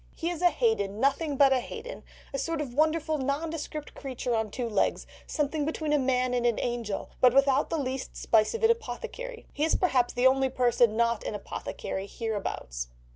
He is a Haden, nothing but a Haden, a sort of wonderful nondescript creature on two legs, something between a man and an angel, but without the least spice of an apothecary. He is perhaps the only person not an apothecary hereabouts."